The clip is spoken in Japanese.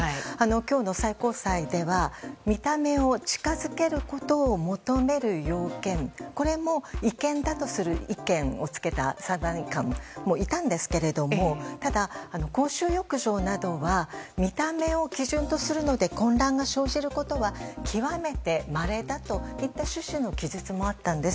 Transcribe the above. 今日の最高裁では見た目を近づけることを求める要件も違憲だとする意見をつけた裁判官もいたんですけれどもただ、公衆浴場などは見た目を基準とするので混乱が生じることは極めてまれだといった趣旨の記述もあったんです。